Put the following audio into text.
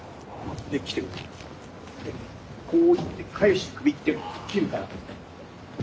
こういって返して首斬るから。